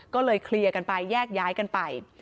ก็เลยเคลียร์กันไปแยกย้ายกันไป